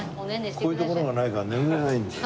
こういう所がないから眠れないんだよ。